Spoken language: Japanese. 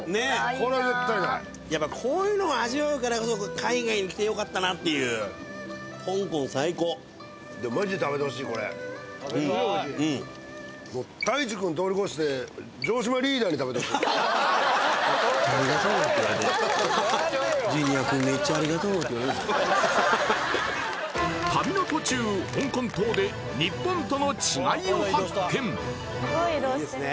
これは絶対ないやっぱこういうのを味わうからこそ海外に来てよかったなっていうでもマジで食べてほしいこれうんうんもうありがとうって言われてって旅の途中香港島で日本との違いを発見いいですね